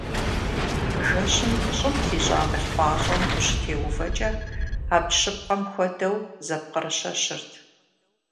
Жэщым щӏым трищӏа мыл пӏащӏэм ущытеувэкӏэ абдж щыпкъэм хуэдэу зэпкъырыщэщырт.